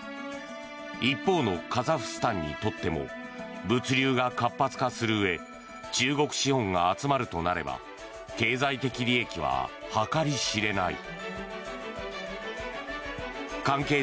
一方のカザフスタンにとっても物流が活発化するうえ中国資本が集まるとなれば経済的利益は計り知れない。